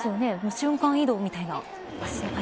瞬間移動みたいな。